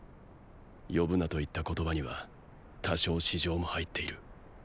呼ぶなと言った言葉には多少私情も入っている。